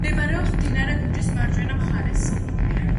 მდებარეობს მდინარე ბუჯის მარჯვენა მხარეს.